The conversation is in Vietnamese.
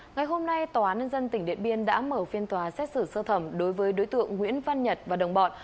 ngày hôm nay tòa án nhân dân tỉnh điện biên đã mở phiên tòa xét xử sơ thẩm đối với đối tượng nguyễn văn nhật và đồng bọn